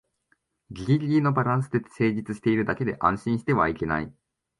ギリギリのバランスで成立してるだけで安心してはいけない